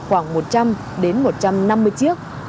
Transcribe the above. khoảng một trăm linh đến một trăm năm mươi chiếc